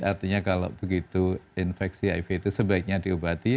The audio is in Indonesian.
artinya kalau begitu infeksi hiv itu sebaiknya diobati